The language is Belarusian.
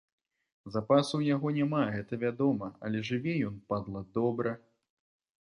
Запасу ў яго няма, гэта вядома, але жыве ён, падла, добра.